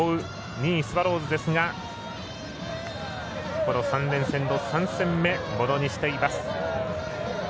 ２位、スワローズですがこの３連戦の３戦目ものにしています。